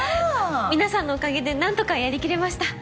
皆さんのおかげで何とかやりきれました。